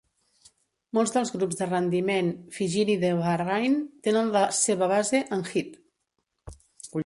Molts dels grups de rendiment fijiri de Bahrain tenen la seva base en Hidd.